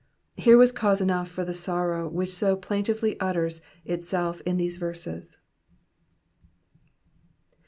Here was cause enough for the sorrow which so plaintively utters itself in these verses.